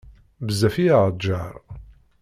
Bezzaf i iɛǧǧer.